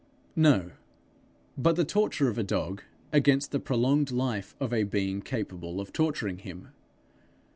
No, but the torture of a dog against the prolonged life of a being capable of torturing him.